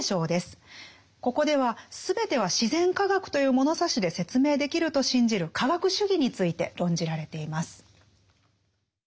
ここでは全ては自然科学という物差しで説明できると信じる科学主義について論じられています。